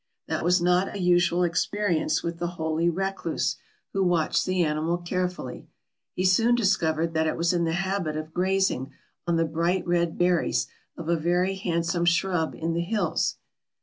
That was not a usual experience with the holy recluse, who watched the animal carefully. He soon discovered that it was in the habit of grazing on the bright red berries of a very handsome shrub in the hills.